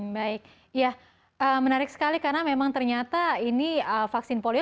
baik ya menarik sekali karena memang ternyata ini vaksin polio